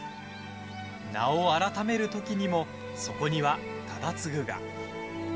名を改める時にもそこには忠次が。